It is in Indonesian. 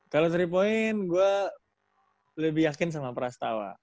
kalau tiga point gue lebih yakin sama prastawa